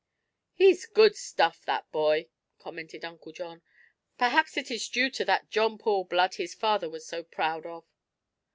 "He's good stuff, that boy," commented Uncle John. "Perhaps it is due to that John Paul blood his father was so proud of."